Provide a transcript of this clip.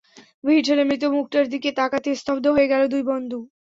ভিড় ঠেলে মৃত মুখটার দিকে তাকাতেই স্তব্ধ হয়ে গেল দুই বন্ধু।